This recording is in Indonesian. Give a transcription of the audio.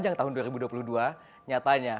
bahwa konfusi mengaruminya